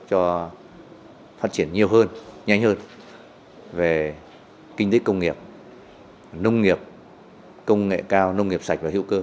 cho phát triển nhiều hơn nhanh hơn về kinh tế công nghiệp nông nghiệp công nghệ cao nông nghiệp sạch và hiệu cơ